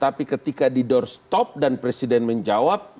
tapi ketika di doorstop dan presiden menjawab